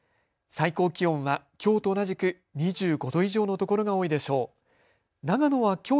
最高気温はきょうと同じく２５度以上のところが多いでしょう。